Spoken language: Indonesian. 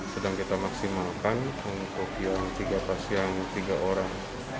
sedang kita maksimalkan untuk yang tiga pasien tiga orang